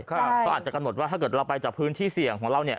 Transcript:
ก็อาจจะกันหมดว่าถ้าเกิดเราไปจากพื้นที่เสี่ยงของเรา